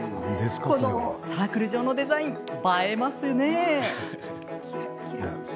このサークル状のデザイン映えますよね。